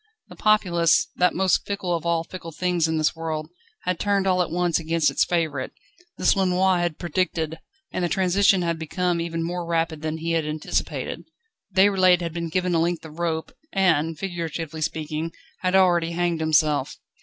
The populace, that most fickle of all fickle things in this world, had turned all at once against its favourite. This Lenoir had predicted, and the transition had been even more rapid than he had anticipated. Déroulède had been given a length of rope, and, figuratively speaking, had already hanged himself.